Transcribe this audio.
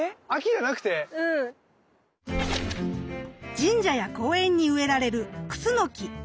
神社や公園に植えられるクスノキ。